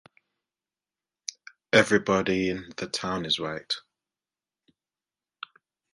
Everybody in the town is white.